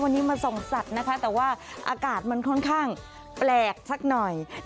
วันนี้มาส่องสัตว์นะคะแต่ว่าอากาศมันค่อนข้างแปลกสักหน่อย